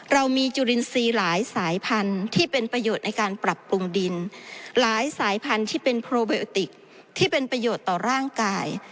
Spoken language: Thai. เรามีจุลินทรีย์หลายสายพันธุ์ที่เป็นประโยชน์ในการปรับปรุงดินหลายสายพันธุ์ที่เป็นโพรเบโอติกที่เป็นประโยชน์ต่อร่างกาย